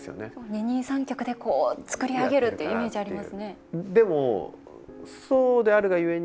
二人三脚で、こう作り上げるっていうイメージありますね。